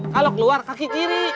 kalo keluar kaki kiri